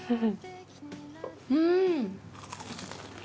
うん！